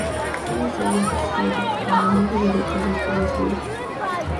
Todos ellos recibidos con amor y educados con esmero.